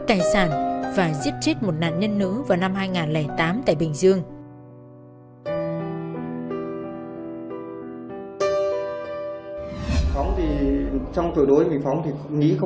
tao có tội